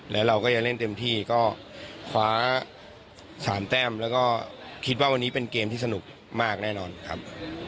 แล้วเราก็ยังเล่นเต็มที่ก็คว้า๓แต้มแล้วก็คิดว่าวันนี้เป็นเกมที่สนุกมากแน่นอนครับ